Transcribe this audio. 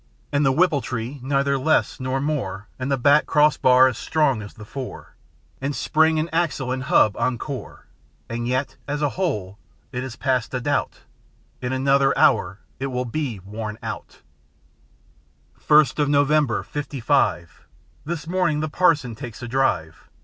And the whippletree neither less nor more. And the back crossbar as strong as the fore, And spring and axle and hub encore. And yet, as a whole it is past a doubt In another hour it will be worn out I First of November, 'Fifty five! This morning the parson takes a drive.